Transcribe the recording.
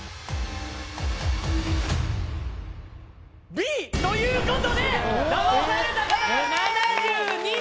Ｂ！ということで騙された方が７２人！